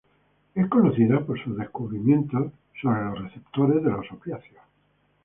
Es conocida por sus descubrimientos sobre los receptores de opiáceos.